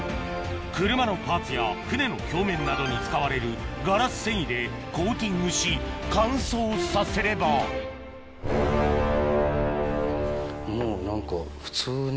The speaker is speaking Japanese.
車のパーツや船の表面などに使われるガラス繊維でコーティングし乾燥させればもう何か普通に。